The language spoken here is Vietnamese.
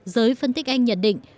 giới phân tích anh nhận định